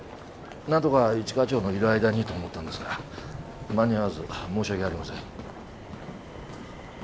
なんとか一課長のいる間にと思ったんですが間に合わず申し訳ありません。